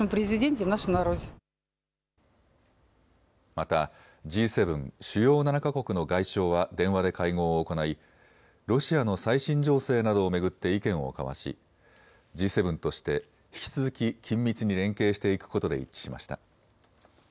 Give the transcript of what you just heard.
またＧ７・主要７か国の外相は電話で会合を行いロシアの最新情勢などを巡って意見を交わし、Ｇ７として引き続き緊密に連携していくことで一致しました。